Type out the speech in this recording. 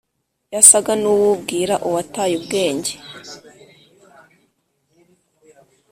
yasaga nuwubwira uwataye ubwenge.